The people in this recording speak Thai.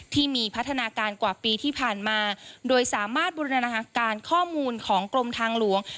ที่มีพัฒนาการกว่าปีที่ผ่านมาโดยสามารถบูรณาการข้อมูลของกรมทางหลวง